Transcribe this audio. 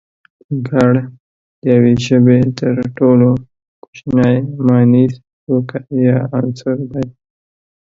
گړ د يوې ژبې تر ټولو کوچنی مانيز توکی يا عنصر دی